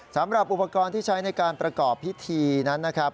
สำหรับอุปกรณ์ที่ใช้ในการประกอบพิธีนั้นนะครับ